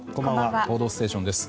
「報道ステーション」です。